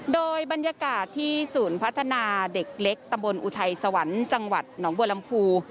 โดยบรรยากาศที่ศูนย์พัฒนาเด็กเล็กตำบลอุทัยสวรรค์จังหวัดหนองบัวลำพู